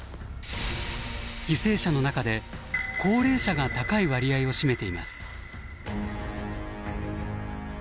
犠牲者の中で高齢者が高い割合を占めています。